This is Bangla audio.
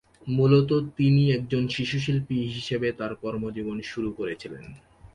মূলতঃ তিনি একজন শিশুশিল্পী হিসেবে তার কর্মজীবন শুরু করেছিলেন।